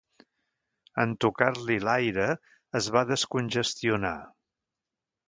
En tocar-li l'aire es va descongestionar.